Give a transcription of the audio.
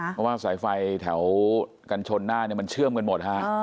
เพราะว่าสายไฟแถวกันชนหน้ามันเชื่อมกันหมดฮะ